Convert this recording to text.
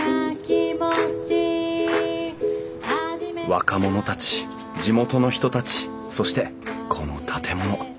若者たち地元の人たちそしてこの建物。